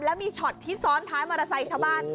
และมีช็อตที่ซ้อนให้มาเตอร์ไซค์ชบาล